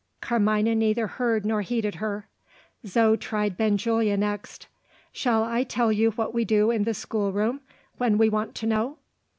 Carmina neither heard nor heeded her. Zo tried Benjulia next. "Shall I tell you what we do in the schoolroom, when we want to know?"